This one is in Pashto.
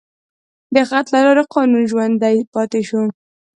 د خط له لارې قانون ژوندی پاتې شو.